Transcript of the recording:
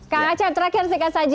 kak acak terakhir sekali saja